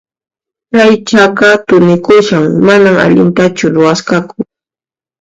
Chay chaka thunikushan, manan allintachu ruwasqaku.